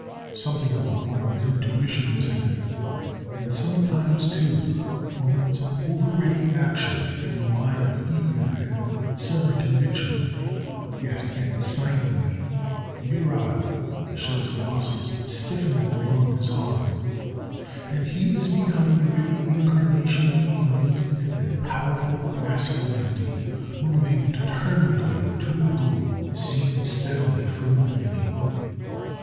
Something of woman's intuition is in him, and sometimes, too, woman's over ready action in the line of eager and sudden conviction; yet again, sinewy, virile, he shows the muscles stiffening along his arm, and he is become the very incarnation of lean and powerful masculinity, moving determinedly to a goal seen steadily from the beginning.